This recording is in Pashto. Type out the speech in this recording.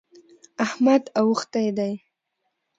احمد اوښتی دی.